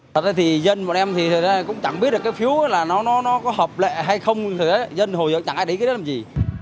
thật ra thì dân bọn em cũng chẳng biết được cái phiếu là nó có hợp lệ hay không thực tế dân hồi giờ chẳng ai để ý cái đó làm gì